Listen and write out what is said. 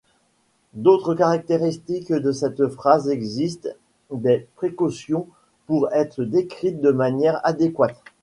D'autres caractéristiques de cette phrase exigent des précautions pour être décrites de manière adéquate.